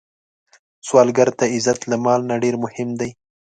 سوالګر ته عزت له مال نه ډېر مهم دی